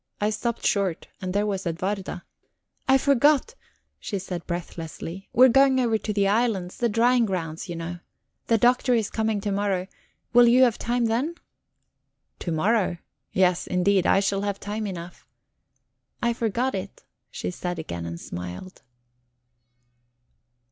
I stopped short, and there was Edwarda. "I forgot," she said breathlessly. "We were going over to the islands the drying grounds, you know. The Doctor is coming to morrow; will you have time then?" "To morrow? Yes, indeed. I shall have time enough." "I forgot it," she said again, and smiled.